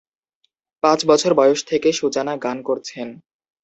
পাঁচ বছর বয়স থেকে সুজানা গান করছেন।